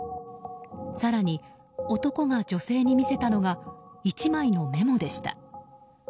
更に男が女性に見せたのが１枚のメモでした。